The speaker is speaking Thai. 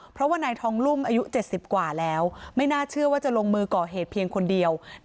เพราะว่านายทองลุ่มอายุ๗๐กว่าแล้วไม่น่าเชื่อว่าจะลงมือก่อเหตุเพียงคนเดียว